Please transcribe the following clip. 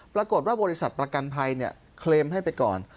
ปรากฏว่าบริษัทประกันภัยเคลมให้ไปก่อน